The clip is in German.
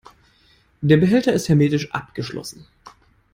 Der Behälter ist hermetisch abgeschlossen.